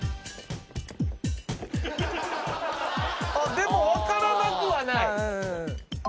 でも分からなくはない。